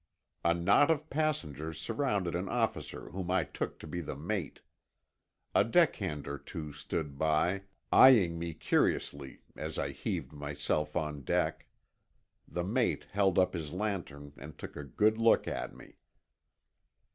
A knot of passengers surrounded an officer whom I took to be the mate. A deckhand or two stood by, eyeing me curiously as I heaved myself on deck. The mate held up his lantern and took a good look at me.